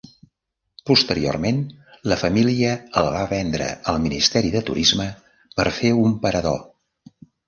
Posteriorment, la família el va vendre al Ministeri de Turisme per fer un parador.